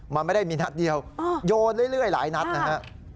มันไม่ได้มีนัดเดียวโยนเรื่อยหลายนัดนะฮะ